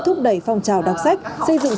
thúc đẩy phong trào đọc sách xây dựng